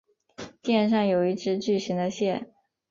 店上有一只巨型的蟹。